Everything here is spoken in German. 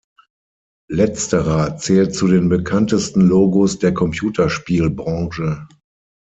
Letzterer zählt zu den bekanntesten Logos der Computerspiel-Branche.